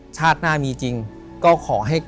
ชาติหน้ามีจริงก็ขอให้